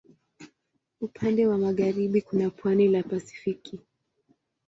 Upande wa magharibi kuna pwani la Pasifiki.